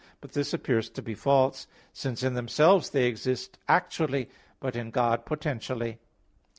But this appears to be false; since in themselves they exist actually, but in God potentially.